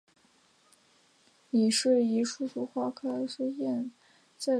麦特尔峰是世界遗产蒂瓦希波乌纳穆地区的一部分。